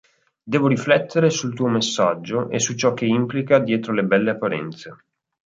Devo riflettere sul tuo messaggio e su ciò che implica dietro le belle apparenze'.